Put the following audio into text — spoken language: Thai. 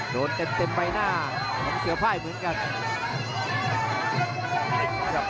โดนเต็มใบหน้าของเสือพ่ายเหมือนกัน